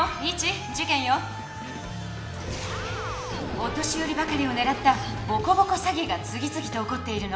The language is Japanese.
お年よりばかりをねらったボコボコ詐欺が次つぎと起こっているの。